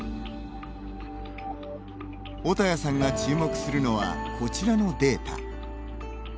御旅屋さんが注目するのはこちらのデータ。